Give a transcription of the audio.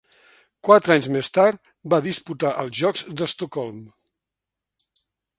Quatre anys més tard va disputar els Jocs d'Estocolm.